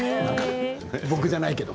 僕じゃないけど。